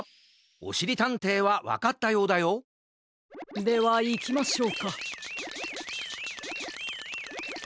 おしりたんていはわかったようだよではいきましょうか。